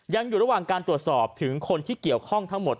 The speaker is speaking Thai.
ยังอยู่ระหว่างการตรวจสอบถึงคนที่เกี่ยวข้องทั้งหมด